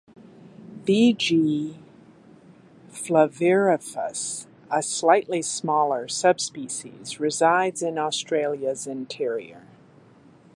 "V. g. flavirufus", a slightly smaller subspecies, resides in Australia's interior.